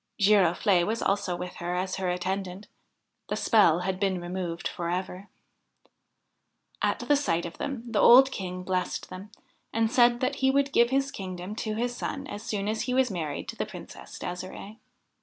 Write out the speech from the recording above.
Girofle'e was also with her as her attendant. The spell had been removed for ever. At sight of them the old King blessed them, and said that he would give his kingdom to his son as soon as he was married to the Princess De'sire'e.